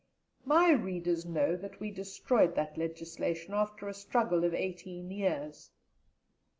My readers know that we destroyed that legislation after a struggle of eighteen years.